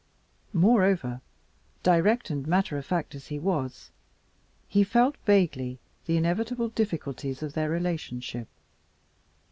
Moreover, direct and matter of fact as he was, he had felt vaguely the inevitable difficulties of their relationship.